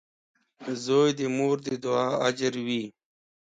• زوی د مور د دعا اجر وي.